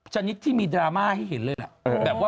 ชนิดที่มีดราม่าให้เห็นเลยล่ะ